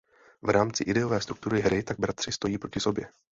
V rámci ideové struktury hry tak bratři stojí proti sobě.